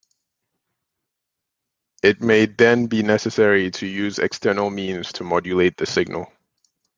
It may then be necessary to use external means to modulate the signal.